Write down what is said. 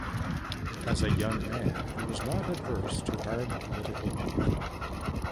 As a young man he was not averse to hard political work.